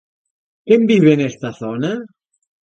Quen vive nesta zona?